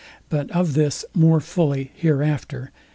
But of this more fully hereafter.